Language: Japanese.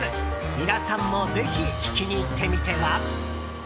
皆さんもぜひ聞きに行ってみては？